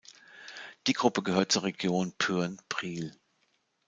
Die Gruppe gehört zur Region Pyhrn-Priel.